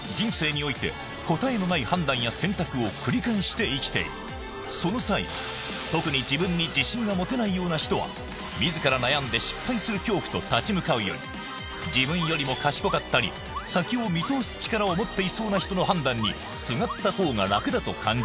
社会では誰しもその際特に自ら悩んで失敗する恐怖と立ち向かうより自分よりも賢かったり先を見通す力を持っていそうな人の判断にすがったほうが楽だと感じ